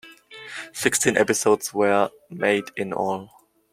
Sixteen episodes were made in all.